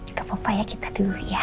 juga apa apa ya kita dulu ya